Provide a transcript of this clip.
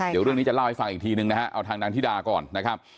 เดี๋ยวเรื่องนี้จะเล่าให้ฟังอีกทีนึงนะฮะเอาทางนางธิดาก่อนนะครับ